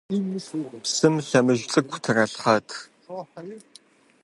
Псым лъэмыж цӏыкӏу тралъхьат.